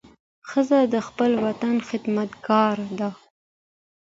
ښځه د خپل وطن خدمتګاره ده.